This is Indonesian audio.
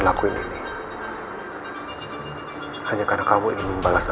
aku ook hingga ke luar biasa